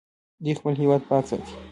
دوی خپل هیواد پاک ساتي.